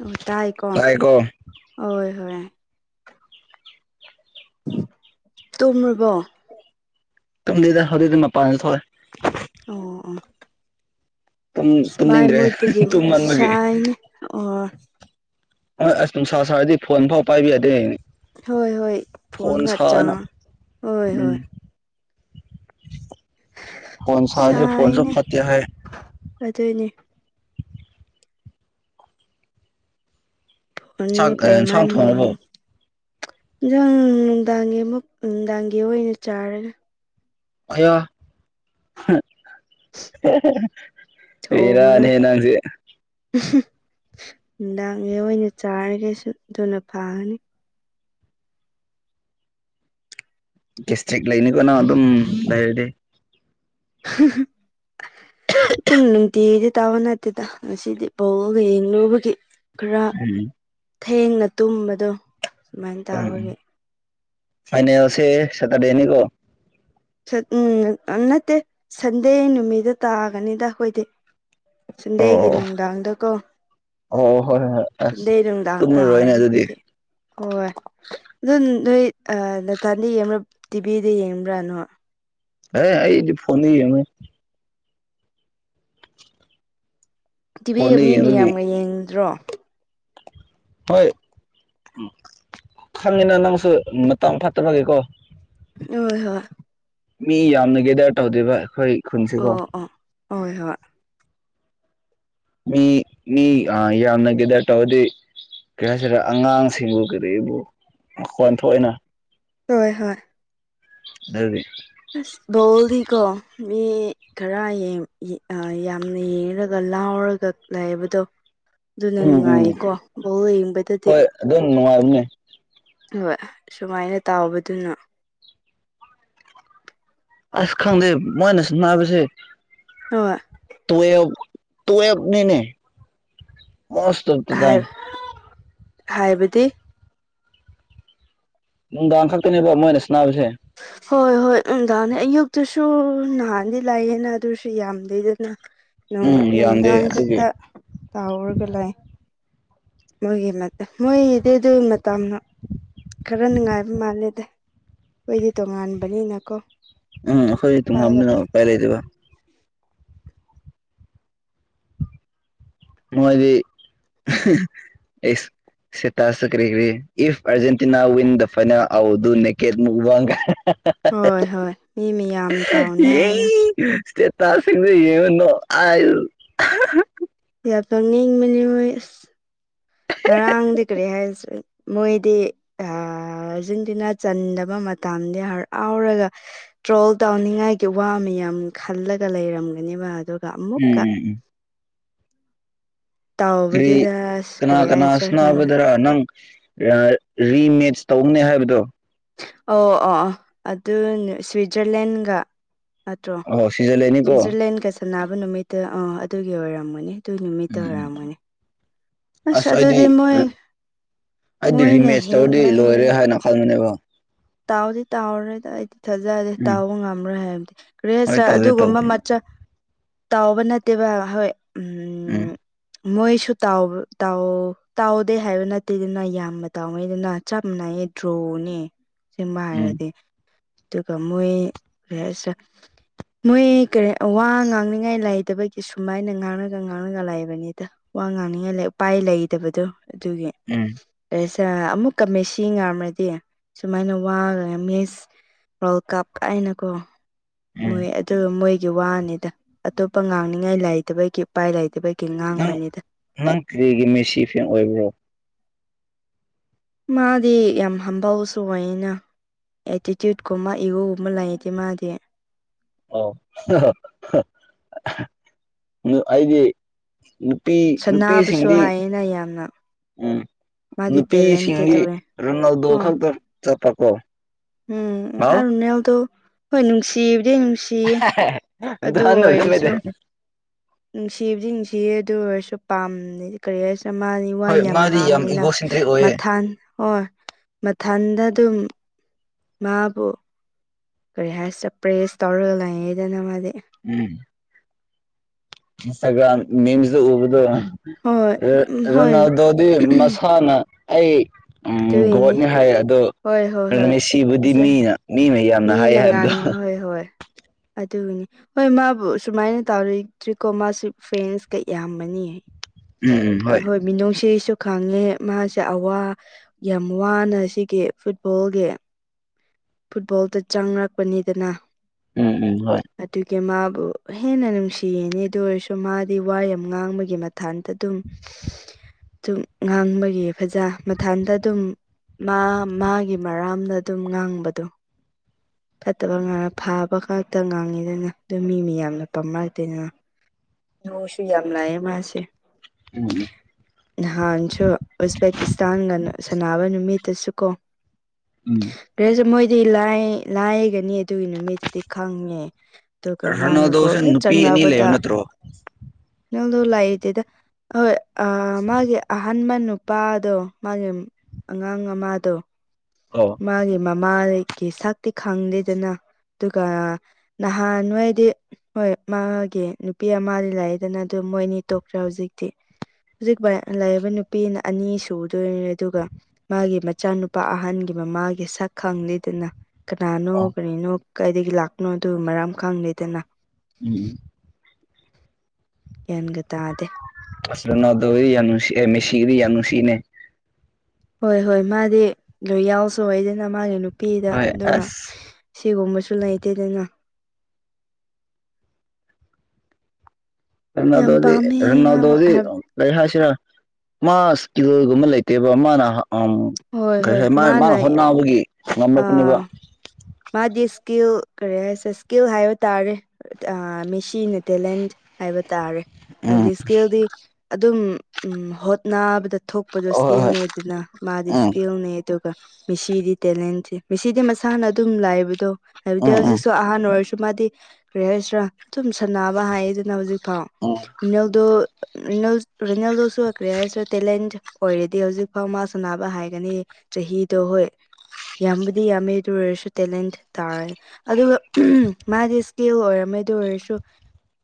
ꯑꯣ ꯇꯥꯏꯀꯣ ꯇꯥꯏꯀꯣ ꯍꯣꯏ ꯍꯣꯏ ꯇꯨꯝꯔꯤꯕꯣ ꯀꯝ ꯂꯩꯗ ꯍꯧꯣꯔꯗꯤ ꯃꯄꯄꯥꯅꯦ ꯊꯣꯛꯣꯔꯦ ꯑꯣ ꯑꯣ ꯇꯨꯝ ꯃꯥꯏ ꯇꯨꯝꯅꯤꯡꯗ꯭ꯔꯦ ꯃꯣꯏꯄꯒꯤ ꯇꯨꯝꯃꯟꯕꯒꯤ ꯁꯥꯏꯅꯦ ꯑꯣ ꯍꯣꯏ ꯑꯁ ꯑꯗꯨꯝ ꯁꯥꯔ ꯁꯥꯔꯗꯤ ꯐꯣꯟ ꯐꯥꯎ ꯄꯥꯏꯕꯤ ꯌꯥꯗꯦꯅꯦ ꯍꯣꯏ ꯍꯣꯏ ꯐꯣꯟꯣꯟꯒꯥꯛ꯭ꯔ ꯍꯣꯏ ꯍꯣꯏ ꯐꯣꯟꯣꯟ ꯁꯥꯟ ꯐꯣꯟꯣꯟꯁꯨꯣ ꯐꯠꯇꯌꯥ ꯍꯥꯏ ꯑꯗꯨꯅꯦ ꯑꯅꯤ ꯆꯥꯛ ꯑꯦ ꯏꯟꯁꯥꯡ ꯄꯩꯃꯅꯤ ꯊꯣꯡꯉꯕꯣ ꯪ ꯅꯨꯡꯗꯥꯡꯒꯤ ꯑꯃꯨꯛ ꯅꯨꯡꯗꯥꯡꯒꯤ ꯑꯣꯏꯅ ꯆꯥꯔꯒ ꯑꯣ ꯊꯣꯡꯅ ꯅꯨꯡꯗꯥꯡꯒꯤ ꯑꯣꯏꯅ ꯆꯥꯔꯤꯈꯩꯁꯨ ꯑꯗꯨꯨꯅ ꯐꯥꯉꯅꯤ ꯦꯁꯇꯔꯤꯛ ꯂꯩꯅꯤ ꯀꯅ ꯑꯗꯨꯝ ꯂꯩꯔꯗꯤ ꯑꯗꯨꯝꯗꯤꯤꯗꯤꯦ ꯇꯥꯕꯅ ꯑꯗꯨꯗ ꯉꯁꯤꯗꯤ ꯄꯜꯒ ꯌꯦꯡꯂꯡꯨꯕꯒꯤ ꯈꯔ ꯎꯝ ꯊꯦꯡꯅ ꯇꯨꯝꯕꯗꯣ ꯁꯨꯃꯥꯏꯅ ꯎꯝ ꯇꯧꯕꯒꯤ ꯐꯥꯏꯅꯦꯁꯦ ꯁꯦꯇꯔꯗꯦꯅꯤꯀꯣ ꯎꯝ ꯅꯠꯇꯦ ꯁꯟꯗꯦ ꯅꯨꯃꯤꯠꯇ ꯇꯥꯒꯅꯤꯗ ꯑꯩꯈꯣꯏꯗꯤ ꯑꯣ ꯆꯟꯗꯦꯒꯤ ꯑꯣ ꯑꯣ ꯅꯨꯡꯗꯥꯡꯗ ꯀꯣ ꯑꯣ ꯍꯣꯏ ꯍꯣꯏ ꯍꯣꯏ ꯑꯁ ꯟꯗꯩ ꯅꯨꯡꯗꯥꯡ ꯇꯨꯝꯂꯔꯣꯏꯅꯦ ꯇꯥꯔꯅꯤ ꯑꯗꯨꯗꯤ ꯑꯩꯈꯣꯏꯗꯤ ꯍꯣꯏ ꯑꯗꯨ ꯅꯣꯏ ꯇꯥꯥꯟꯗ ꯌꯦꯡꯕꯥ ꯇꯤꯚꯤꯗ ꯌꯦꯡꯕ꯭ꯔꯥꯅꯣ ꯑꯦ ꯑꯩꯗꯤ ꯐꯣꯟ ꯇꯤꯚꯤꯒ ꯐꯣꯟꯗ ꯃꯤ ꯌꯦꯡꯕꯒꯤ ꯃꯌꯥꯝꯒ ꯌꯦꯡꯗ꯭ꯔꯣ ꯍꯣꯏ ꯎ ꯈꯪꯉꯤꯅꯪ ꯅꯪꯁꯨ ꯃꯇꯝꯥꯡ ꯐꯠꯇꯅꯕꯒꯦꯀꯣ ꯍ ꯍꯣꯏ ꯃꯤ ꯌꯥꯝꯅ ꯒꯦꯗꯔ ꯇꯧꯗꯣꯏꯕ ꯑꯩꯈꯣꯏ ꯈꯨꯟꯁꯤ ꯀꯣ ꯑꯣ ꯑꯣ ꯍꯣꯏ ꯍꯣꯏ ꯃꯤ ꯃꯤ ꯌꯥꯝꯅꯕꯤꯗ ꯇꯧꯗꯤ ꯀꯔꯤ ꯍꯥꯏꯁꯤꯔꯥ ꯑꯉꯥꯡꯁꯤꯡꯕꯨ ꯀꯔꯤꯕ ꯃꯈꫭꯟ ꯊꯣꯛꯏꯅ ꯍꯣꯏ ꯍꯣꯏ ꯑꯗꯨꯅꯤ ꯑꯁ ꯕꫭꯜꯗꯤꯀꯣ ꯃꯤ ꯈꯔ ꯌꯦꯡ ꯑ ꯌꯥꯝꯅ ꯌꯦꯡꯔꯒ ꯂꯥꯎꯔꯒ ꯂꯩꯕꯗꯣ ꯑꯗꯨꯅ ꯎꯝ ꯎꯝ ꯅꯨꯡꯉꯥꯏꯀꯣ ꯕꫭꯜ ꯌꯦꯡꯕꯗꯗꯤ ꯍꯣꯏ ꯑꯗꯨꯝ ꯅꯅꯨꯡꯉꯥꯏꯔꯝꯅꯦ ꯍꯣꯏ ꯁꯨꯃꯥꯏꯅ ꯇꯥꯎꯕꯗꯨꯅ ꯑꯁ ꯈꯪꯗꯦ ꯃꯣꯏꯅꯁꯨ ꯅꯥꯕꯁꯦ ꯍꯣꯏ ꯇꯋ ꯇꯨꯅꯤꯅꯦ ꯍꯥꯏ ꯍꯥꯏꯕꯗꯤ ꯅꯨꯡꯗꯥꯡ ꯈꯛꯇꯅꯦꯕ ꯃꯣꯏꯅꯁꯅꯥꯁꯦ ꯍꯣꯏ ꯍꯣꯏ ꯎꯟꯗꯥꯅꯦ ꯑꯌꯨꯛꯇꯁꯨ ꯅꯍꯥꯟꯗꯤ ꯂꯥꯛꯑꯅ ꯑꯗꯨꯁꯨ ꯌꯥꯝꯗꯦꯗꯅ ꯎꯝ ꯌꯥꯝꯗꯦ ꯅꯨꯡꯗꯥꯡ ꯈꯛꯇ ꯑꯗꯨꯒꯤ ꯇꯥꯎꯔꯒ ꯂꯥꯏ ꯃꯣꯏꯒꯤ ꯅꯠꯇꯦ ꯃꯣꯏꯒꯤꯗꯤ ꯑꯗꯨꯏ ꯃꯇꯝꯅ ꯈꯔ ꯅꯨꯡꯉꯥꯏꯕ ꯃꯥꯜꯂꯦꯗ ꯑꯩꯈꯣꯏꯗꯤ ꯇꯣꯉꯥꯟꯕꯅꯤꯅꯀꯣ ꯎꯝ ꯍꯣꯏ ꯇꯨꯡ ꯄꯥꯏꯕ ꯌꯥꯝꯝꯗꯅ ꯄꯥꯏ ꯂꯩꯇ꯭ꯔꯤꯗꯅ ꯂꯩꯇꯕ ꯃꯣꯏꯗꯤ ꯑꯦꯁ ꯁꯤ ꯇꯥꯁꯇ ꯀ꯭ꯔꯤꯒꯀꯔꯤ if Argentina win the final I will do ꯅꯦ ꯀꯦꯠ ꯃꯨꯛꯕꯥꯡ ꯍꯣꯏ ꯍꯣꯏ ꯃꯤ ꯃꯤꯌꯥꯝ ꯇꯥꯎꯅ ꯑꯩꯅ ꯁꯇꯦꯠ ꯇꯁꯤꯗꯤ [unintelligible] ꯌꯦꯉꯟꯅꯣ ꯑ ꯌꯥꯝ ꯇꯧꯅꯤꯡꯕꯅꯤ ꯍꯣꯏ ꯑꯁ ꯉꯔꯥꯡꯗꯤ ꯀꯔꯤ ꯍꯥꯏꯔꯤꯁꯦ ꯃꯣꯏꯗꯤ ꯑ ꯖꯨꯟꯗꯨꯅ ꯆꯟꯗꯕ ꯃꯇꯝꯗꯤ ꯍꯔꯥꯎꯔꯒ ꯇ꯭ꯔꯣꯜ ꯇꯧꯅꯤꯡꯉꯥꯏꯒꯤ ꯋꯥ ꯃꯤꯌꯥꯝ ꯈꯜꯂꯒ ꯂꯩꯔꯝꯒꯅꯦꯕ ꯑꯗꯨꯒ ꯑꯃꯨꯛꯀ ꯎꯝ ꯀꯔꯤ ꯇꯥꯎꯕꯗꯨꯗ ꯑꯁ ꯀꯅꯥ ꯀꯔꯤ ꯀꯅꯥ ꯍꯥꯏꯁꯤꯔ ꯁꯥꯟꯅꯕꯗꯔꯥ ꯅꯪ ꯔꯥꯏ ꯔꯤꯃꯦꯁ ꯇꯧꯅꯦ ꯍꯥꯏꯕꯗꯣ ꯑꯣ ꯑꯣ ꯑꯣ ꯑꯗꯨ ꯁꯨꯏꯖꯔꯂꯦꯟꯒ ꯅꯠꯇ꯭ꯔꯣ ꯑꯣ ꯁꯤꯖꯜꯂꯦꯅꯤꯀꯣ ꯁꯨꯏꯖꯔꯂꯦꯟꯒ ꯁꯥꯟꯅꯕ ꯅꯨꯃꯤꯠꯇ ꯑꯥ ꯑꯗꯨꯒꯤ ꯑꯣꯏꯔꯝꯒꯅꯤ ꯑꯗꯨꯏ ꯅꯨꯃꯤꯠꯇ ꯎꯝ ꯑꯣꯏꯔꯝꯃꯅꯤ ꯑꯁ ꯑꯩꯗꯤ ꯑꯩꯗꯤ ꯃꯣꯏꯅ ꯔꯤꯃꯦꯁ ꯇꯧꯔꯗꯤ ꯂꯣꯏꯔꯦ ꯍꯦꯟꯕꯅꯤꯅ ꯍꯥꯏꯅ ꯈꯟꯕꯅꯦꯕ ꯇꯥꯎꯗꯤ ꯇꯥꯎꯔ ꯂꫭꯏꯗ ꯑꯩꯗꯤ ꯊꯥꯖꯗꯦ ꯎꯝ ꯇꯥꯎꯕ ꯉꯝꯔꯣꯏ ꯍꯥꯏꯕꯗꯤ ꯍꯣꯏ ꯔꯦꯁꯆ ꯇꯧꯗꯦ ꯑꯗꯨꯒꯨꯝꯕ ꯇꯧꯗꯦ ꯃꯆꯥ ꯇꯥꯎꯕ ꯅꯠꯇꯦꯕ ꯍꯣꯏ ꯎꯝ ꯃꯣꯏꯁꯨ ꯇꯧꯕ ꯇꯥꯎꯗꯦ ꯍꯥꯏꯕ ꯅꯠꯇꯦꯗꯅ ꯌꯥꯝꯅ ꯇꯥꯎꯅꯩꯗꯅ ꯆꯞ ꯃꯥꯟꯅꯩ ꯇ꯭ꯔꯣꯅꯤ ꯁꯤꯃ ꯎꯝ ꯍꯥꯏꯔꯗꯤ ꯑꯗꯨꯒ ꯃꯣꯏ ꯃꯣꯏ ꯀꯔꯤ ꯋꯥ ꯉꯥꯡꯅꯤꯡꯉꯥꯏ ꯂꯩꯇꯕꯒꯤ ꯁꯨꯃꯥꯏꯅ ꯉꯥꯡꯔꯒ ꯉꯥꯡꯔꯒ ꯂꯩꯕꯅꯤꯗ ꯋꯥ ꯉꯥꯡꯅꯤꯡꯉꯥꯏꯂꯩ ꯎꯄꯥꯏ ꯂꯩꯗꯕꯗꫭ ꯑꯗꯨꯒꯤ ꯎꯝ ꯑꯦꯁꯥ ꯑꯃꯨꯛ ꯃꯦꯁꯤꯡ ꯌꯥꯝꯃꯗꯤ ꯁꯨꯃꯥꯏꯅ ꯋꯥꯉꯒ ꯃꯤꯁ ꯋꯥꯔꯜ ꯀꯞ ꯍꯥꯏꯅꯀꯣ ꯎꯝ ꯃꯣꯏ ꯑꯗꯨ ꯃꯣꯏ ꯒꯤ ꯋꯥꯅꯤꯗ ꯑꯇꯣꯞꯄ ꯉꯥꯡꯅꯤꯡꯉꯥꯏ ꯂꯩꯇꯕꯒꯤ ꯎꯄꯥꯏ ꯂꯩꯇꯕꯩꯒꯤ ꯅꯪ ꯉꯥꯡꯕꯅꯤꯗ ꯅꯪ ꯀꯔꯤꯒꯤ ꯃꯦꯁꯤ ꯐꯦꯟ ꯑꯣꯏꯕ꯭ꯔꯣ ꯃꯥꯗꯤ ꯌꯥꯝ ꯍꯥꯝꯕꯜ ꯁꯨꯑꫭꯏꯅ ꯑꯦꯇꯤꯇ꯭ꯌꯨꯠꯀꯨꯝꯕ ꯏꯒꫭꯒꯨꯝꯕ ꯂꯩꯇꯦ ꯃꯥꯗꯤ ꯑꯣ ꯗꯨ ꯑꯩꯗꯤ ꯅꯨꯄꯤ ꯁꯅꯥꯕꯨꯁꯨ ꯅꯨꯄꯤꯁꯤꯡꯗꯤ ꯍꯥꯏꯌꯦꯅ ꯌꯥꯝꯅ ꯎꯝ ꯃꯥꯗꯤ ꯇꯦꯂꯦꯟꯇꯦꯠ ꯅꯨꯄꯤꯁꯤꯡꯒꯤ ꯑꯣꯏꯌꯦ ꯔꯣꯅꯥꯜꯗꯣ ꯑꯣ ꯈꯛꯇ ꯆꯠꯄꯀꯣ ꯎꯝ ꯍꯥꯎ ꯃꯈꯥꯏꯔꫭꯅꯦꯜꯗꫭ ꯍꯣꯏ ꯅꯨꯡꯁꯤꯕꯗꯤ ꯅꯨꯡꯁꯤ ꯇꯤ ꯑꯗꯨ ꯅꯍꯥꯟ ꯑꯣꯏꯔꯁꯨ ꯑꯣꯏꯔꯝꯃꯦꯗ ꯅꯨꯡꯁꯤꯕꯁꯤꯡꯁꯤ ꯑꯗꯨ ꯑꯣꯏꯔꯁꯨ ꯄꯥꯝꯃꯦ ꯀꯔꯤ ꯍꯥꯏ ꯆꯃꯥꯅꯤ [unintelligible] [unintelligible] ꯋꯥ ꯍꯣꯏ ꯌꯥꯝ ꯃꯥꯗꯤ ꯉꯥꯡꯉꯤꯅ ꯏꯒꯣꯁꯦꯟꯇ꯭ꯔꯤꯛ ꯑꯣꯏꯌꯦ ꯃꯊꯥꯟ ꯍꯣꯏ ꯃꯊꯥꯟꯗ ꯑꯗꯨꯝ ꯃꯥꯕꯨ ꯀꯔꯤ ꯍꯥꯏꯁꯤꯔꯥ ꯄ꯭ꯔꯦꯁ ꯇꯧꯔꯒ ꯂꯩꯉꯦꯗꯅ ꯃꯥꯗꯤ ꯎꯝ ꯏꯟꯁꯇꯒ꯭ꯔꯝ ꯃꯤꯝꯖꯗ ꯎꯕꯗꯨ ꯍꯣꯏ ꯎꯝ ꯍꯣꯏ ꯔꯣꯅꯥꯗꯣꯗꯤ ꯃꯁꯥꯅ ꯑꯩ ꯎꯝ ꯑꯗꯨꯒꯤꯅꯤ ꯒꯣꯠꯅꯦ ꯍꯥꯏ ꯑꯗꯣ ꯍꯣꯏ ꯍꯣꯏ ꯍꯣꯏ ꯃꯦꯁꯤꯕꯨꯗꯤ ꯃꯁꯦ ꯃꯤ ꯃꯤꯃꯌꯥꯝ ꯃꯤꯅ ꯉꯥꯡꯉ ꯍꯣꯏ ꯍꯣꯏ ꯑꯗꯨꯅꯤ ꯍꯣꯏ ꯃꯥꯕꯨ ꯁꯨꯃꯥꯏꯅ ꯇꯧꯔꯗ꯭ꯔꯤꯀꯣ ꯃꯥꯁꯤꯦ ꯐꯦꯟꯁꯀ ꯌꯥꯝꯕꯅꯤ ꯎꯝ ꯍꯣꯏ ꯃꯤꯅꯨꯡꯁꯤꯁꯨ ꯈꯪꯉꯦ ꯃꯥꯁꯦ ꯑꯋꯥ ꯌꯥꯝ ꯋꯥꯅ ꯁꯤꯒꯤ ꯐꯨꯠꯕꯣꯜꯒꯤ ꯐꯨꯠꯕꯣꯜꯗ ꯆꯪꯔꯛꯄꯅꯤꯗꯅ ꯎꯝ ꯎꯝ ꯍꯣꯏ ꯑꯗꯨꯒꯤ ꯃꯥꯕꯨ ꯍꯦꯟꯅ ꯅꯨꯡꯁꯤꯌꯦꯅꯦ ꯑꯗꯨ ꯑꯣꯏꯔꯁꯨ ꯃꯥꯗꯤ ꯋꯥ ꯌꯥꯝ ꯉꯥꯡꯕꯒꯤ ꯃꯇꯊꯥꯟꯗ ꯑꯗꯨꯝ ꯁꯨꯝ ꯉꯥꯡꯕꯒꯤ ꯐꯖ ꯃꯊꯟꯗ ꯑꯗꯨꯝ ꯃꯥ ꯃꯥꯒꯤ ꯃꯔꯥꯝꯗ ꯑꯗꯨꯝ ꯉꯥꯡꯕꯗꯣ ꯐꯠꯇꯕ ꯉꯥꯅ ꯐꯥꯕ ꯉꯥꯛꯇ ꯉꯥꯡꯉꯤꯗꯅ ꯑꯗꯨ ꯃꯤ ꯃꯌꯥꯝꯅ ꯄꯥꯝꯅꯔꯛꯇꯦꯗꯅ ꯃꯤꯅꯨꯡꯁꯤ ꯌꯥꯝ ꯂꯩꯑꯦ ꯃꯥꯁꯦ ꯎꯝ ꯎꯝ ꯅꯍꯥꯟꯁꯨ ꯎꯁ ꯄꯦꯀꯤꯁꯇꯥꯟꯒꯅ ꯁꯅꯥꯅꯕ ꯅꯨꯃꯤꯠꯇꯁꯨ ꯀꯣ ꯎꯝ ꯔꯦꯁꯨ ꯃꯣꯏꯗꯤ ꯂꯥꯏ ꯂꯥꯏꯒꯅꯤ ꯑꯗꯨꯒꯤ ꯅꯨꯃꯤꯠꯇꯨꯗꯤ ꯈꯪꯉꯦ ꯑꯗꯨꯒ ꯃꯥꯅ ꯀꯣꯜ ꯔꯣꯅꯥꯜꯗꯣꯁꯦ ꯍꯦꯛ ꯅꯨꯄꯤ ꯑꯅꯤ ꯆꯪꯅꯕꯗ ꯂꯩꯕ ꯅꯠꯇ꯭ꯔꯣ ꯅꯪꯗꯨ ꯂꯩꯇꯦꯗ ꯍꯣꯏ ꯑꯥ ꯃꯥꯒꯤ ꯑꯍꯟꯕꯥ ꯅꯨꯄꯥꯗꯣ ꯃꯥꯒꯤꯝ ꯑꯉꯥꯡ ꯑꯃꯗꯣ ꯑꯣ ꯃꯥꯒꯤ ꯃꯃꯥꯔꯩꯒꯤ ꯁꯛꯇꯤ ꯈꯪꯗꯦꯗꯅ ꯑꯗꯨꯒ ꯅꯍꯥꯟ ꯅꯣꯏꯗꯤ ꯍꯣꯏ ꯃꯥꯒꯤ ꯅꯨꯄꯤ ꯑꯃꯗꯤ ꯂꯥꯛꯑꯦꯗꯅ ꯑꯗꯨ ꯃꯣꯏꯅꯤ ꯇꯣꯛꯈ꯭ꯔꯦ ꯍꯧꯖꯤꯛꯇꯤ ꯍꯧꯖꯤꯛ ꯂꯩꯕ ꯅꯨꯄꯤꯅ ꯑꯅꯤ ꯁꯨꯗꯣꯏꯅꯦ ꯑꯗꯨꯒ ꯃꯥꯒꯤ ꯃꯆꯥꯅꯨꯄꯥ ꯑꯍꯟꯒꯤ ꯃꯃꯥꯒꯤ ꯁꯛ ꯈꯪꯂꯤ ꯗꯅ ꯀꯅꯥꯅꯣ ꯑꯣ ꯀꯔꯤꯅꯣ ꯀꯥꯏꯗꯒꯤ ꯂꯥꯛꯄꯅꯣ ꯑꯗꯨ ꯃꯔꯝ ꯈꯪꯗꯦꯗꯅ ꯎꯝ ꯒ꯭ꯌꯥꯟꯒ ꯇꯥꯗꯦ ꯑꯁ ꯔꯣꯅꯥꯜꯗꯣꯒꯤ ꯌꯥꯝꯅꯨꯡꯁꯤꯑꯦ ꯃꯦꯁꯤꯔꯤ ꯌꯥꯝꯅ ꯅꯨꯡꯁꯤꯅꯦ ꯍꯣꯏ ꯍꯣꯏ ꯃꯥꯗꯤ ꯂꯣꯏ ꯌꯥꯎꯁꯨ ꯑꯣꯏꯗꯅ ꯃꯥꯒꯤ ꯅꯨꯄꯤꯗ ꯍꯣꯏ ꯑꯗꯨꯒ ꯑꯁ ꯁꯤꯒꯨꯝꯕꯁꯨ ꯂꯩꯇꯦꯗꯅ ꯌꯥꯝ ꯔꯅꯥꯗꯧꯗꯤ ꯄꯥꯝꯃꯦ ꯃꯥꯕꯨ ꯔꯟꯅꯥꯗꯣꯗꯤ ꯀꯩ ꯍꯥꯏꯁꯤꯔꯥ ꯃꯥꯁ ꯀꯤꯂꯣꯒꯨꯝꯕ ꯂꯩꯇꯦꯕ ꯃꯥꯅ ꯎꯝ ꯍꯣꯏ ꯀꯔꯤ ꯍꯣꯏ ꯍꯥꯏ ꯃꯥ ꯃꯥꯅ ꯍꯣꯠꯕꯒꯤ ꯉꯝꯂꯛꯄꯅꯦꯕ ꯑꯥ ꯃꯥꯗꯤ ꯏꯁꯀꯤꯜ ꯀꯔꯤ ꯍꯥꯏꯁꯦ ꯏꯁꯀꯤꯜ ꯍꯥꯏꯕ ꯇꯥꯔꯦ ꯑꯥ ꯃꯦꯁꯤꯅ ꯇꯦꯂꯦꯟ ꯍꯥꯏꯕ ꯇꯥꯔꯦ ꯑꯜꯒꯤ ꯎꯝ ꯏꯁꯀꯤꯜꯗꯤ ꯑꯗꯨꯝ ꯎꯝ ꯍꯣꯠꯅꯕꯗ ꯊꯣꯛꯄꯗ ꯍꯣꯏ ꯍꯣꯏ ꯏꯁꯀꯤꯜꯅꯦ ꯑꯗꯨꯅ ꯃꯥꯗꯤ ꯎꯝ ꯏꯁꯀꯤꯜꯅꯦ ꯑꯗꯨꯒ ꯃꯤꯁꯤꯒꯤ ꯇꯦꯂꯦꯟꯊꯤ ꯃꯁꯤꯗꯤ ꯃꯁꯥꯅ ꯑꯗꯨꯝ ꯂꯥꯛꯏꯕꯗꯣ ꯍꯥꯏꯕꯗꯤ ꯎꯝ ꯎꯝ ꯍꯧꯖꯤꯛꯁꯨ ꯑꯍꯥꯟꯕ ꯑꯣꯏꯔꯁꯨ ꯃꯥꯗꯤ ꯀꯔꯤ ꯍꯥꯏꯁꯔꯥ ꯑꯗꯨꯝ ꯁꯥꯟꯅꯕ ꯍꯥꯏꯌꯦꯗꯅ ꯍꯧꯖꯤꯛ ꯐꯥꯎ ꯎꯝ ꯔꯨꯅꯦꯜꯗꯣ ꯔꯤꯅꯦꯜ ꯔꯤꯅꯦꯜꯗꯣꯁꯨ ꯀꯔꯤ ꯍꯥꯏꯁꯤꯔ ꯇꯦꯂꯦꯟ ꯑꯣꯏꯔꯗꯤ ꯍꯧꯖꯤꯛ ꯐꯥꯎ ꯃꯥ ꯁꯥꯟꯅꯕ ꯍꯥꯏꯒꯅꯤ ꯆꯍꯤꯗꯣ ꯍꯣꯏ ꯌꯥꯝꯕꯨꯗꯤ ꯌꯥꯝꯃꯦ ꯑꯗꯨ ꯑꯣꯏꯔꯁꯨ ꯇꯦꯂꯦꯟ ꯇꯥꯔꯦ ꯑꯗꯨꯒ ꯃꯥꯗꯤ ꯏꯁꯀꯤꯜ ꯑꯣꯏꯔꯝꯃꯦꯗ ꯑꯣꯏꯔꯁꯨ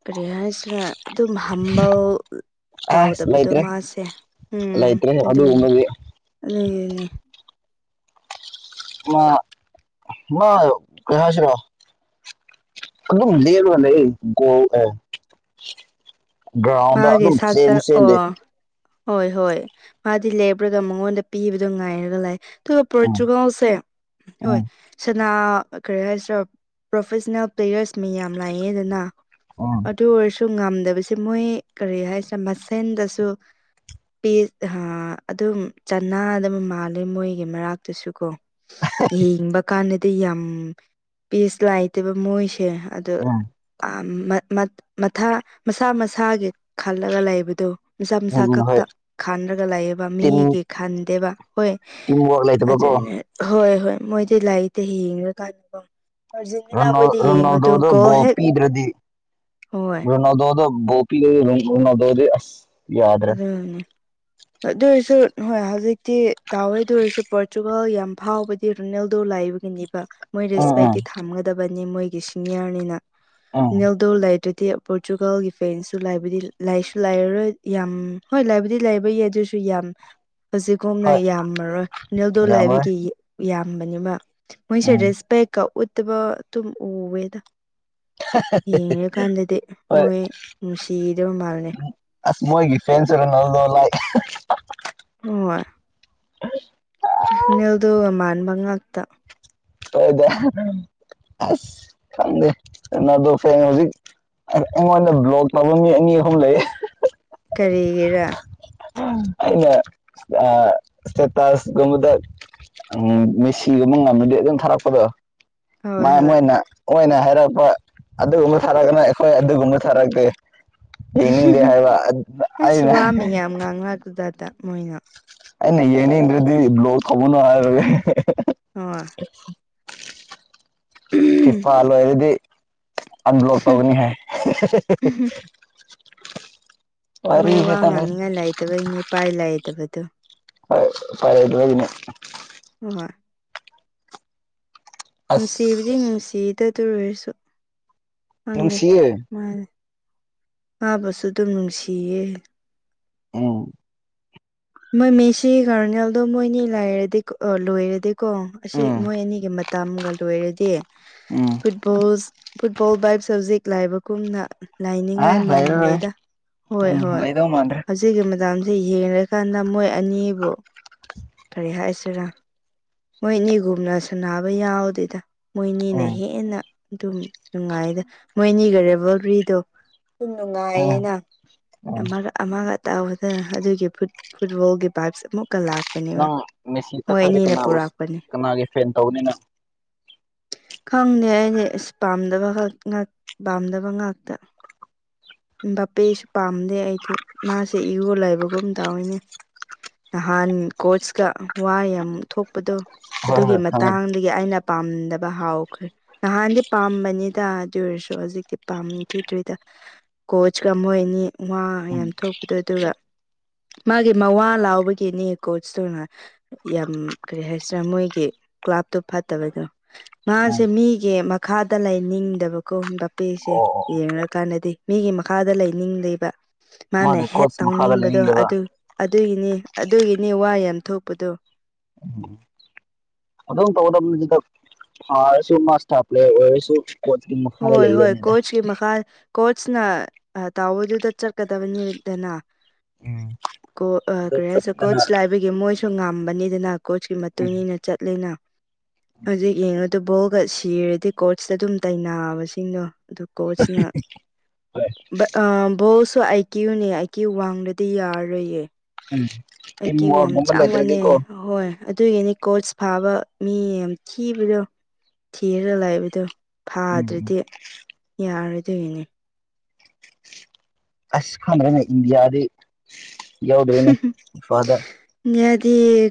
ꯄꯔꯤꯌꯥꯁꯤꯅ ꯑꯗꯨꯝ ꯍꯝꯕꯥꯎ ꯑꯁ ꯇꯥꯎꯗꯕꯗꯣ ꯂꯩꯇ꯭ꯔꯦ ꯃꯥꯁꯦ ꯎꯝ ꯂꯩꯇ꯭ꯔꯦ ꯑꯗꯨꯅꯤ ꯑꯗꯨꯒꯨꯝꯕꯗꯤ ꯑꯗꯨꯒꯤꯅꯤ ꯃꯥ ꯃ ꯀꯁꯤ꯭ꯔꯣ ꯑꯗꯨꯝ ꯂꯦꯜꯂꯒ ꯂꯩꯌꯦ ꯒꯣꯜ ꯒ꯭ꯔꯥꯎꯟꯗ ꯃꯥꯒꯤ ꯑꯗꯨꯝ ꯆꯦꯟ ꯁꯥꯛꯇ ꯑꯣ ꯆꯦꯟꯜꯂꯤ ꯍꯣꯏ ꯍꯣꯏ ꯃꯥꯗꯤ ꯂꯦꯞꯄ꯭ꯔꯒ ꯃꯉꯣꯟꯗ ꯄꯤꯕꯗꯣ ꯉꯥꯏꯔꯒ ꯂꯥꯛ ꯑꯗꯨꯒ ꯎꯝ ꯄꯣꯔꯇꯨꯒꯜꯁꯦ ꯍꯣꯏ ꯎꯝ ꯁꯅꯥ ꯀꯔꯤ ꯍꯥꯏꯁꯤꯔꯥ ꯄ꯭ꯔꯣꯐꯦꯁꯅꯦꯜ ꯄ꯭ꯂꯦꯌꯔꯁ ꯃꯤꯌꯥꯝ ꯂꯥꯛꯑꯦꯗꯅ ꯑꯣ ꯑꯗꯨ ꯑꯣꯏꯔꯁꯨ ꯉꯝꯗꯕꯁꯦ ꯃꯣꯏ ꯀꯔꯤ ꯍꯥꯏꯁꯤꯅ ꯃꯁꯦꯟꯗꯁꯨ ꯄꯤꯠ ꯍꯥ ꯑꯗꯨꯝ ꯆꯅꯥ ꯑꯗꯨꯝ ꯃꯥꯜꯂꯦ ꯃꯣꯏꯒꯤ ꯃꯔꯛꯇꯨꯁꯨ ꯀꯣ ꯌꯦꯡꯕ ꯀꯥꯟꯗꯗꯤ ꯌꯥꯝ ꯄꯤꯁ ꯂꯩꯇꯦꯕ ꯃꯣꯏꯁꯦ ꯑꯗꯨ ꯎꯝ ꯑ ꯃꯠ ꯃꯠ ꯃꯊꯥ ꯃꯁꯥ ꯃꯁꯥꯒꯤ ꯈꯜꯂꯒ ꯂꯩꯕꯗꯨ ꯃꯤꯁꯥ ꯃꯁꯥ ꯎꯝ ꯎꯝ ꯍꯣꯏ ꯈꯛꯇ ꯈꯥꯟꯔꯒ ꯂꯩꯑꯕ ꯃꯤꯒꯤ ꯈꯟꯗꯦꯕ ꯍꯣꯏ ꯇꯤꯝꯋꯔꯛ ꯂꯩꯇꯕꯀꯣ ꯑꯗꯨꯅꯦ ꯍꯣꯏ ꯍꯣꯏ ꯃꯣꯏꯗꯤ ꯂꯥꯏꯔꯤꯛꯇ ꯌꯦꯡꯉꯀꯥꯟꯗꯀ ꯅ ꯔꯅꯣꯗꯣꯗ ꯒꯣꯜ ꯕꯣꯞ ꯍꯦꯛ ꯄꯤꯗ꯭ꯔꯗꯤ ꯍꯣꯏ ꯔꯅꯣꯗꯣꯗ ꯕꯣ ꯄꯂ ꯅꯗꯔ ꯑꯗꯨꯅꯦ ꯑꯗꯨ ꯑꯣꯏꯔꯁꯨ ꯍꯣꯏ ꯍꯧꯖꯤꯛꯇꯤ ꯇꯥꯎꯋꯦ ꯑꯗꯨ ꯑꯣꯏꯔꯁꯨ ꯄꯣꯔꯇꯨꯒꯥꯜ ꯌꯥꯝ ꯐꯥꯎꯕꯗꯤ ꯔꯣꯅꯦꯜꯗꯣ ꯂꯥꯛꯏꯕ ꯃꯤꯅꯤꯕ ꯃꯣꯏ ꯎꯝ ꯎꯝ ꯔꯦꯁꯄꯦꯤ ꯊꯝꯒꯗꯕꯅꯤ ꯃꯣꯏꯒꯤ ꯁꯤꯅꯤꯌꯔꯅꯤꯅ ꯎꯝ ꯜꯗꯧ ꯂꯩꯗꯨꯗꯤ ꯄꯣꯔꯇꯨꯒꯥꯜꯒꯤ ꯐꯦꯟꯁꯁꯨ ꯂꯥꯏꯕꯗꯤ ꯂꯥꯏꯁꯨ ꯂꯥꯏꯔꯔꯣꯏ ꯌꯥꯝ ꯍꯣꯏ ꯂꯕꯨꯗꯤ ꯂꯩꯕꯩ ꯌꯥꯏ ꯑꯗꯨꯁꯨ ꯌꯥꯝ ꯑꯁꯤ ꯀꯣꯝꯅ ꯍꯣꯏ ꯌꯥꯝꯃꯔꯣꯏ ꯅꯦꯗꯣ ꯌꯥꯝꯔꯣꯏ ꯂꯥꯏꯕꯒꯤ ꯌꯥꯝꯕꯅꯤꯕ ꯃꯣꯏꯁꯦ ꯎꯝ ꯔꯦꯁꯄꯦꯛꯀ ꯎꯠꯇꯕ ꯑꯗꯨꯝ ꯎꯋꯦꯗ ꯌꯦꯡꯉꯔꯀꯥꯟꯗꯗꯤ ꯍꯣꯏ ꯃꯣꯏ ꯅꯨꯡꯁꯤꯗꯕ ꯃꯥꯜꯅꯦ ꯑꯁ ꯃꯣꯏꯒꯤ ꯐ꯭ꯔꯦꯟꯁ ꯑꯦꯔꯅ ꯅꯜꯗꯣꯂ ꯍꯣꯏ ꯅꯜꯗꯣ ꯃꯥꯟꯕ ꯉꯥꯛꯇ ꯍꯣꯏꯗ ꯈꯪꯗꯦ ꯀꯩꯅꯣꯗꯣ ꯐꯩ ꯍꯧꯖꯤꯛ ꯑꯩꯉꯣꯟꯗ ꯕ꯭ꯂꯣꯛ ꯇꯧꯕ ꯃꯤ ꯑꯅꯤ ꯑꯍꯨꯝ ꯂꯩꯌꯦ ꯀꯔꯤꯒꯤꯔ ꯑꯩꯅ ꯑ ꯁꯦꯇꯥꯁ ꯃꯨꯗ ꯎꯝ ꯃꯦꯁꯤꯒꯨꯝ ꯃ ꯉꯅꯗꯤ ꯑꯗꯨꯝ ꯊꯥꯔꯛꯄꯗꯣ ꯍꯣꯏ ꯃ ꯍꯣꯏ ꯃꯣꯏꯅ ꯑꯣꯏꯅ ꯍꯥꯏꯔꯛꯄ ꯑꯗꯨꯒꯨꯝꯕ ꯊꯥꯔꯛꯒꯅ ꯑꯩꯈꯣꯏ ꯑꯗꯨꯒꯨꯝꯕ ꯊꯥꯔꯛꯇꯦ ꯌꯦꯅꯤꯡꯗꯦ ꯍꯥꯏꯕ ꯑꯅ ꯉꯥꯡꯍꯥꯛ ꯑꯗꯨꯨꯗꯥꯇꯥ ꯃꯣꯏꯅ ꯑꯦ ꯅꯌꯦꯅꯦ ꯏꯟꯗꯔꯗꯤ ꯕ꯭ꯂ ꯊꯕ ꯅꯉꯥ ꯑꯣ ꯐꯤꯐꯥꯜ ꯑꯣꯏꯣꯏꯔꯗꯤ ꯑꯟꯕ꯭ꯂꯣꯛ ꯇꯧꯒꯅꯤ ꯍꯥꯏ ꯃꯣꯏ ꯋꯥꯔꯤꯁꯦ ꯋꯥ ꯈꯪꯗꯦ ꯉꯥꯡꯅꯤꯡꯉꯥꯏ ꯂꯩꯥꯏꯇꯕꯩꯅꯤꯄꯥꯏ ꯂꯥꯛꯏꯇꯕꯗꯨꯣ [unintelligible] ꯍꯣꯏ ꯍꯣꯏ ꯑꯁ ꯅꯨꯡꯁꯤꯕꯗꯤ ꯅꯨꯡꯁꯤꯗꯗ ꯑꯣꯏꯔꯁꯨ ꯈꯪꯅꯤꯦ ꯅꯨꯡꯁꯤꯌꯦ ꯉꯥꯕꯁꯨ ꯑꯗꯨꯝ ꯅꯨꯡꯁꯤꯌꯦ ꯎꯝ ꯃꯣꯏ ꯃꯦꯁꯤ ꯀꯥꯔꯅꯦꯜꯗꯣ ꯃꯣꯏ ꯑꯅꯤ ꯂꯥꯏꯔꯗꯤ ꯂꯣꯏꯔꯗꯤ ꯀꯣ ꯑꯁꯤ ꯎꯝ ꯃꯣꯏ ꯑꯅꯤꯒꯤ ꯇꯝꯒ ꯂꯣꯏꯔꯗꯤ ꯎꯝ ꯐꯨꯠꯕꯣꯜꯁ ꯐꯨꯠꯕꯣꯜ ꯕꯥꯏꯞ ꯁꯕꯖꯦꯛ ꯂꯥꯏꯕꯒꯨꯝꯅ ꯑ ꯂꯥꯏꯅꯤꯡꯉꯥꯏ ꯂꯩꯔꯔꯣꯏ ꯃꯥꯟꯗꯦꯗ ꯍꯣꯏ ꯎꯝ ꯍꯣꯏ ꯂꯩꯗꯧ ꯃꯥꯟꯗ꯭ꯔꯦ ꯁꯤꯒꯤ ꯃꯇꯝꯁꯤ ꯌꯦꯡꯔꯀꯥꯟꯗ ꯃꯣꯏ ꯑꯅꯤꯕꯨ ꯀꯔꯤ ꯍꯥꯏꯁꯤꯔꯥ ꯃꯣꯏꯅꯤꯒꯨꯝꯅ ꯁꯨꯕ ꯌꯥꯎꯗꯗ ꯃꯣꯏꯅꯤꯅ ꯎꯝ ꯍꯦꯟꯅ ꯑꯗꯨꯝ ꯅꯨꯡꯉꯥꯏꯗ ꯃꯣꯏꯅꯤꯈꯔꯦ ꯕꯔꯤꯗꯣ ꯁꯨꯝ ꯎꯝ ꯅꯨꯡꯉꯥꯏꯌꯦꯅ ꯎꯝ ꯑꯃꯒ ꯑꯃꯒ ꯑ ꯇꯥꯎꯕꯗ ꯑꯗꯨꯒꯤ ꯐꯨ ꯐꯨꯠꯕꯣꯜꯒꯤ ꯄꯥꯏꯞꯁ ꯑꯃꯨꯛꯀ ꯂꯥꯛꯄ ꯅꯪ ꯃꯦꯁꯤ ꯇꯛꯈꯥꯏꯗꯤ ꯀꯅꯥꯕꯨ ꯀꯅꯥꯒꯤ ꯐꯦꯟ ꯇꯧꯕꯅꯤꯅꯪ [inaudible] ꯈꯪꯗꯦ ꯑꯩꯗꯤ ꯏꯁ ꯄꯥꯝꯗꯕ ꯄꯥꯝꯗꯕ ꯉꯥꯛꯇ ꯕꯄꯦꯁꯨ ꯄꯥꯝꯗꯦ ꯑꯩꯗꯤ ꯃꯥꯁꯦ ꯏꯔꯣ ꯂꯩꯕꯒꯨꯝ ꯇꯧꯏꯅꯦ ꯅꯍꯥꯟ ꯀꯣꯆꯀ ꯋꯥ ꯌꯥꯝ ꯊꯣꯛꯄꯗꯣ ꯍꯣꯏ ꯑꯗꯨꯒꯤ ꯍꯣꯏ ꯈꯪꯉꯦ ꯃꯇꯥꯡꯗ ꯒꯤ ꯑꯩꯅ ꯄꯥꯝꯗꯕ ꯍꯥꯎꯈ꯭ꯔꯦ ꯅꯍꯥꯟꯗꯤ ꯄꯥꯝꯕꯅꯤꯗ ꯑꯗꯨ ꯑꯣꯏꯔꯁꯨ ꯍꯧꯖꯤꯛꯇꯤ ꯄꯥꯝꯈꯤꯗ꯭ꯔꯣꯏꯗ ꯀꯣꯆꯀ ꯑꯣꯏꯅꯤ ꯋꯥ ꯎꯝ ꯌꯥꯝ ꯊꯣꯛꯄꯗꯣ ꯑꯗꯨꯒ ꯃꯥꯒꯤ ꯃꯋꯥ ꯂꯥꯎꯕꯒꯤꯅꯤ ꯀꯣꯆꯇꯨꯅ ꯌꯥꯝ ꯀꯔꯤ ꯍꯥꯏꯁꯤꯔꯥ ꯃꯣꯏꯒꯤ ꯀ꯭ꯂꯥꯞꯇꯣ ꯐꯠꯇꯕꯗꯣ ꯃꯥꯁꯦ ꯎꯝ ꯃꯤꯒꯤ ꯃꯈꯥꯗ ꯂꯩꯅꯤꯡꯗꯕꯀꯣ ꯕꯄꯦꯁꯦ ꯑꯣ ꯑꯣ ꯌꯦꯡ ꯀꯥꯟꯗꯗꯤ ꯃꯤꯒꯤ ꯃꯈꯥꯗ ꯂꯩꯅꯤꯡ ꯂꯩꯕ ꯃꯥꯅ ꯃꯥꯒꯤ ꯍꯦꯛ ꯀꯣꯆ ꯃꯈꯥꯗ ꯇꯧꯅꯤꯡꯕꯗꯣ ꯂꯩꯅꯤꯡꯗꯕ ꯑꯗꯨ ꯑꯗꯨꯒꯤꯅꯤ ꯑꯗꯨꯒꯤꯅꯤ ꯋꯥ ꯌꯥꯝ ꯊꯣꯛꯄꯗꯣ ꯎꯝ ꯑꯗꯨꯝ ꯇꯧꯒꯗꯕꯗ ꯐꯔꯁꯨ ꯃꯥꯁꯇꯔ ꯄ꯭ꯂꯦ ꯑꯣꯏꯔꯁꯨ ꯀꯣꯆꯀꯤ ꯃꯈꯥꯗ ꯍꯣꯏ ꯍꯣꯏ ꯂꯩꯒꯗꯕꯅꯤꯗ ꯀꯣꯆ ꯃꯈꯥ ꯀꯣꯆꯅ ꯇꯥꯎꯕꯗꯨꯗ ꯆꯠꯀꯗꯕꯅꯤꯗꯅ ꯎꯝ ꯀꯣ ꯑꯗꯨ ꯀꯔꯤ ꯍꯥꯏꯁꯨ ꯆꯠꯇꯅ ꯀꯣꯆ ꯂꯥꯏꯕꯒꯤ ꯃꯣꯏꯁꯨ ꯉꯝꯕꯅꯤꯗꯅ ꯀꯣꯆꯀꯤ ꯃꯇꯨꯡ ꯏ ꯎꯝ ꯃꯇꯨꯡꯏꯟꯅ ꯆꯠꯂꯤꯦꯅ ꯍꯧꯖꯤꯛ ꯌꯦꯡꯉꯨꯗ ꯕꯣꯜꯒ ꯁꯤꯔꯗꯤ ꯀꯣꯔꯣꯆꯇ ꯑꯗꯨꯝ ꯇꯩꯅꯩꯅꯩ ꯅꯥꯕꯁꯤꯡꯗꯣ ꯑꯗꯨ ꯀꯣꯆꯅ ꯍꯣꯏ ꯕꯣꯜꯁꯨ ꯑꯩꯥꯏ ꯀ꯭ꯌꯨꯅꯦ ꯑꯩ ꯀ꯭ꯌꯨ ꯋꯥꯡꯂꯗꯤ ꯌꯥꯔꯣꯏꯌꯦ ꯑꯗꯨ ꯑꯩꯀꯤ ꯌꯥꯝ ꯆꯥꯡꯕꯅꯦ ꯑꯍꯣꯏ ꯑꯗꯨꯒꯤꯅꯤ ꯀꯣꯆ ꯐꯥꯕ ꯃꯤ ꯌꯥꯝ ꯊꯤꯕꯗꯣ ꯊꯤꯔꯒ ꯂꯥꯛꯏꯕꯗꯣ ꯎꯝ ꯎꯝ ꯐꯥꯗ꯭ꯔꯗꯤ ꯌꯥꯔꯣꯏꯗꯣꯏꯅꯦ ꯑꯁ ꯈꯪ꯭ꯔꯦꯅꯦ ꯏꯟꯗꯤꯌꯥꯗꯤ ꯌꯥꯎꯗꯣꯏꯅꯦ ꯐꯥꯗꯔ ꯌꯦꯍꯗꯤ